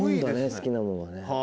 好きなものがね。